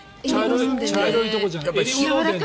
茶色いところじゃなくて。